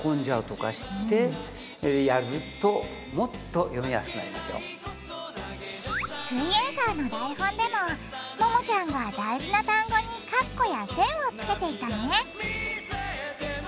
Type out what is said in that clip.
ここで古川さんから「すイエんサー」の台本でもももちゃんが大事な単語にカッコや線をつけていたね！